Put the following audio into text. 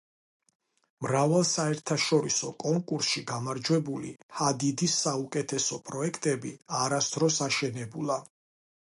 მრავალ საერთაშორისო კონკურსში გამარჯვებული ჰადიდის საუკეთესო პროექტები არასდროს აშენებულა.